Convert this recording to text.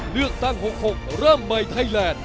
เลือกตั้ง๖๖เริ่มใหม่ไทยแลนด์